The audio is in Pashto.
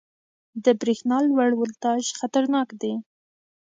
• د برېښنا لوړ ولټاژ خطرناک دی.